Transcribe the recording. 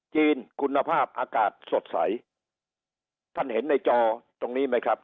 จีนคุณภาพอากาศสดใสท่านเห็นในจอตรงนี้ไหมครับ